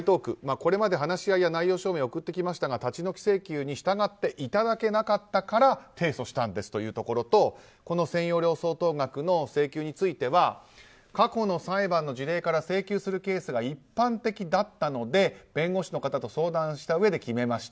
これまで話し合いや内容証明を送ってきましたが立ち退き請求に従っていただけなかったから提訴したんですというところとこの占用料相当額の請求については過去の裁判の事例から請求するケースが一般的だったので、弁護士の方と相談したうえで決めました。